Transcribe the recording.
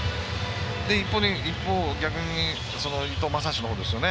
一方、逆に伊藤将司のほうですね。